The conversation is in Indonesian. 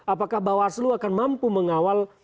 apakah bawaslu akan mampu mengawal